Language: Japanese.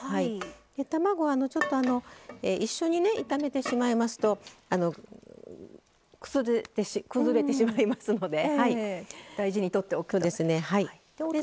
卵は一緒に炒めてしまいますと崩れてしまいますので大事にとっておくとですね。